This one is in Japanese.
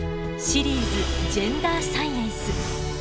「シリーズジェンダーサイエンス」。